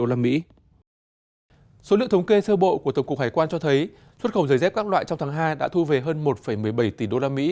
số lượng thống kê sơ bộ của tổng cục hải quan cho thấy xuất khẩu giấy dép các loại trong tháng hai đã thu về hơn một một mươi bảy tỷ usd